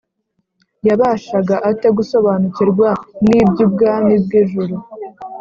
yabashaga ate gusobanukirwa n’iby’ubwami bw’ijuru?